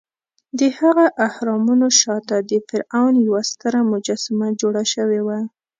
دهغه اهرامونو شاته د فرعون یوه ستره مجسمه جوړه شوې وه.